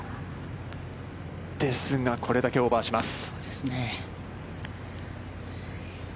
ですが、これだけオーバーします。